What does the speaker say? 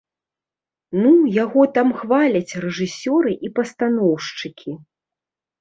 Ну, яго там хваляць рэжысёры і пастаноўшчыкі.